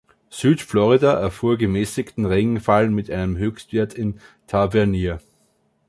Südflorida erfuhr gemäßigten Regenfall mit einem Höchstwert in Tavernier.